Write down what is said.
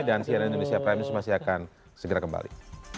dan siaran indonesia prime news masih akan segera kembali